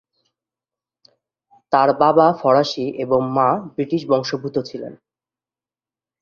তার বাবা ফরাসি এবং মা ব্রিটিশ বংশোদ্ভূত ছিলেন।